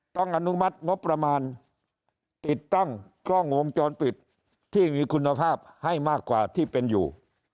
อนุมัติงบประมาณติดตั้งกล้องวงจรปิดที่มีคุณภาพให้มากกว่าที่เป็นอยู่